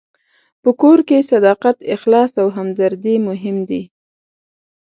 په کور کې صداقت، اخلاص او همدردي مهم دي.